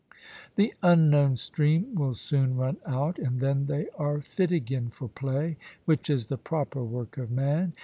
The unknown stream will soon run out, and then they are fit again for play, which is the proper work of man.